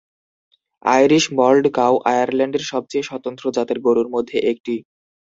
Irish moiled cow আয়ারল্যান্ডের সবচেয়ে স্বতন্ত্র জাতের গরুর মধ্যে একটি।